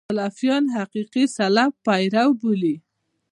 سلفیان حقیقي سلف پیرو بولي.